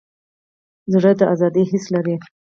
زړه د ازادۍ حس لري.